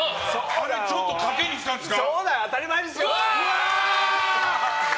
あれちょっとかけにしたんですか。